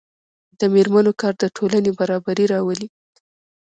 د میرمنو کار د ټولنې برابري راولي.